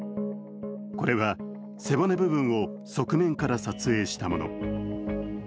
これは背骨部分を側面から撮影したもの。